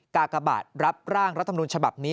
กากบาทรับร่างรัฐมนุนฉบับนี้